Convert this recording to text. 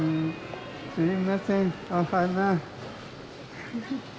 すみません、お花。